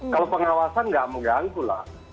kalau pengawasan nggak mengganggu lah